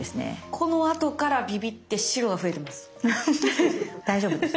このあとからビビって白が増えてます。